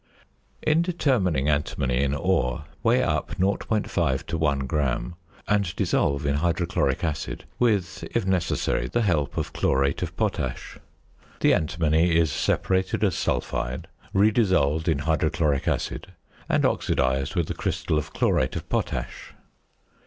In determining antimony in ore, weigh up 0.5 to 1 gram, and dissolve in hydrochloric acid with, if necessary, the help of chlorate of potash. The antimony is separated as sulphide, redissolved in hydrochloric acid, and oxidised with a crystal of chlorate of potash.